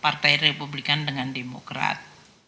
partai republikan dengan demokrat